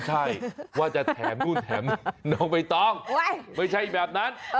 ใช่ว่าจะแถมนู่นแถมน้องใบตองไม่ใช่แบบนั้น